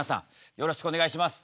よろしくお願いします。